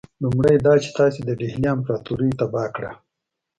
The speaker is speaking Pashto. لومړی دا چې تاسي د ډهلي امپراطوري تباه کړه.